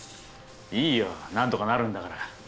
いいよ何とかなるんだから。